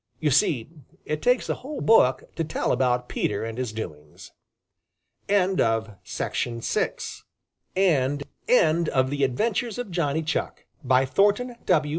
You see it takes a whole book to tell all about Peter and his doings. End of the Project Gutenberg EBook of The Adventures of Johnny Chuck, by Thornton W.